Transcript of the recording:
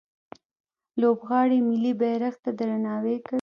لوبغاړي ملي بیرغ ته درناوی کوي.